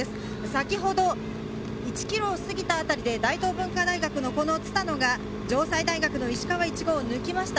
先ほど、１ｋｍを過ぎたあたりで大東文化大学のこの蔦野が城西大学の石川苺を抜きました。